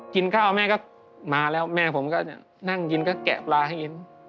กินข้าวแม่ก็มาแล้วแม่ผมก็นั่งกินก็แกะปลาให้กิน